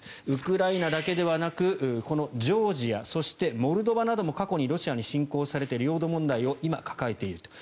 ウクライナだけではなくジョージアそしてモルドバなども過去にロシアに侵攻されて領土問題を今、抱えている。